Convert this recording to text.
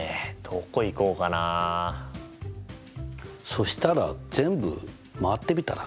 そしたら全部周ってみたら？